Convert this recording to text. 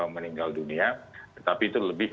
meninggal dunia tetapi itu lebih